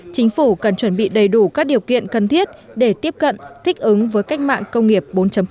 chính phủ cần chuẩn bị đầy đủ các điều kiện cần thiết để tiếp cận thích ứng với cách mạng công nghiệp bốn